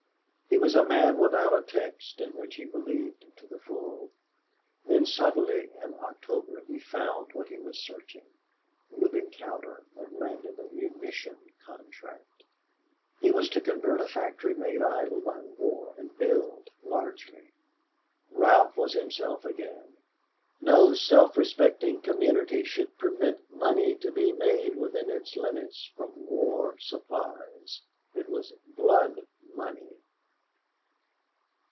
He was a man without a text in which he believed to the full. Then suddenly in October he found what he was searching. Reuben Cowder had landed a munition contract. He was to convert a factory made idle by the war and build largely. Ralph was himself again. No self respecting community should permit money to be made within its limits from war supplies. It was blood money.